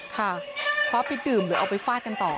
ค่ะคว้าไปดื่มหรือเอาไปฟาดกันต่อ